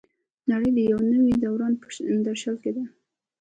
نړۍ د یو نوي دوران په درشل کې ده.